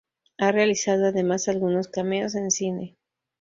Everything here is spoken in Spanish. Ha realizado además algunos cameos en cine.